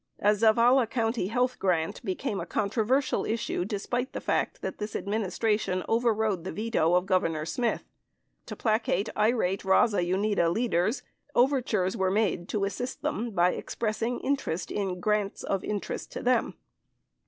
A Zavala County health grant became a controversial issue despite the fact that this Administration overrode the veto of Governor Smith. To placate irate Raza Unida leaders, overtures were made to assist them by expressing interest in grants of in terest to them.